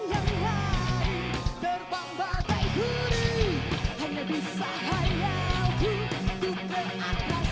saya harap stadion ini bisa menjadi identitas